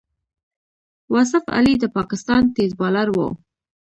واصف علي د پاکستان تېز بالر وو.